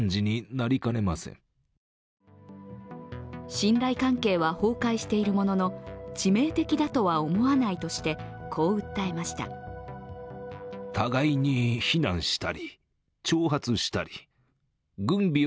信頼関係は崩壊しているものの、致命的だとは思わないとしてこう訴えました。